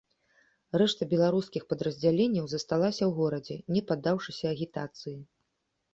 Рэшта беларускіх падраздзяленняў засталася ў горадзе, не паддаўшыся агітацыі.